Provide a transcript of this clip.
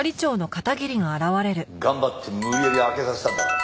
頑張って無理やり空けさせたんだから。